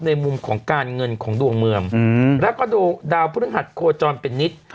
ในมุมของการเงินของดวงเมืองแล้วก็ดาวพฤหัสโคจรเป็นนิต